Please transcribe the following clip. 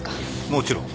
もちろん。